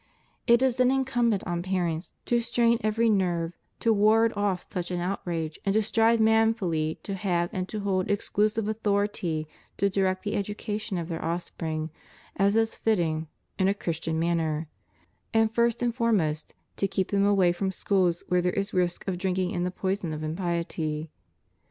It is then incumbent on parents to strain every nerve to ward off such an outrage, and to strive manfully to have and to hold exclusive authority to direct the education of their offspring, as is fitting, in a Christian manner; and first and foremost to keep them away from schools where there is risk of their drinking in the poison of impiety.